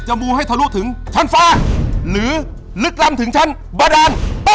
มูให้ทะลุถึงชั้นฟ้าหรือลึกล้ำถึงชั้นบาดาน